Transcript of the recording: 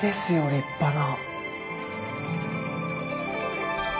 立派な。